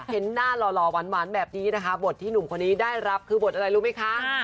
เห็นหน้าหล่อหวานแบบนี้นะคะบทที่หนุ่มคนนี้ได้รับคือบทอะไรรู้ไหมคะ